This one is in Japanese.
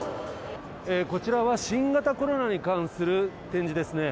こちらは新型コロナに関する展示ですね。